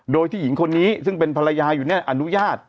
โดยที่หญิงคนนี้ซึ่งเป็นภรรยาอยู่เนี่ยอนุญาต